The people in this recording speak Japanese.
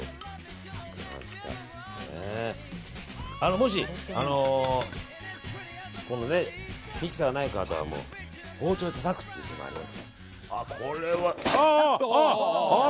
もしミキサーない方は包丁でたたくというのがあります。